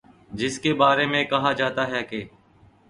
جس کے بارے میں کہا جاتا ہے کہ